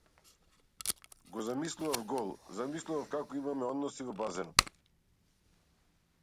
Го замислував гол, замислував како имаме односи во базенот.